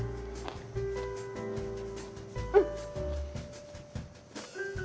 うん！